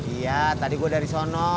iya tadi gue dari sono